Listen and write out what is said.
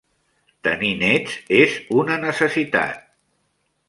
Tenir nets és una necessitat.